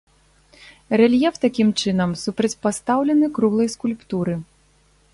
Рэльеф такім чынам супрацьпастаўлены круглай скульптуры.